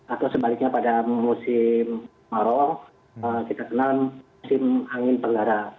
atau sebaliknya pada musim paro kita kenal musim angin penggara